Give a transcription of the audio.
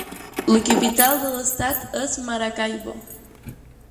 La capital de l'estat és Maracaibo.